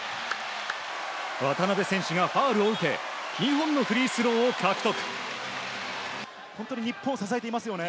渡邊選手がファウルを受け２本のフリースローを獲得。